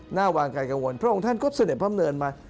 หน้าวางกายกังวลพระองค์ท่านก็เสน่ห์พระมเนินมา